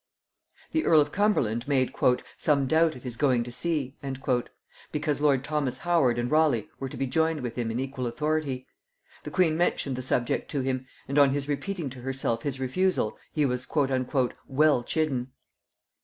The earl of Cumberland made "some doubt of his going to sea," because lord Thomas Howard and Raleigh were to be joined with him in equal authority; the queen mentioned the subject to him, and on his repeating to herself his refusal, he was "well chidden."